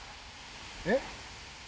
えっ？